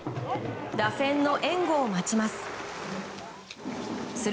打線の援護を待ちます。